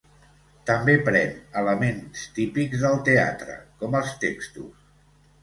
També pren elements típics del teatre, com els textos.